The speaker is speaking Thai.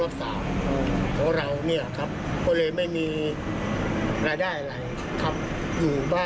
พวกผมแล้วโตตายกันหมดแล้วไอฟู้มันมีอะไรได้อะไรเลย